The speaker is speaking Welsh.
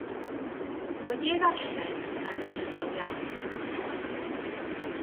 Wedi ei ddarllen a defnyddiol iawn.